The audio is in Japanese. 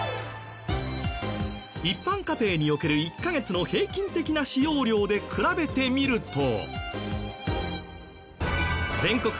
一般家庭における１カ月の平均的な使用量で比べてみると。